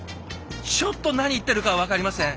ちょっと何言ってるか分かりません。